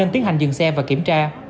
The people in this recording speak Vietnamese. trang dừng xe và kiểm tra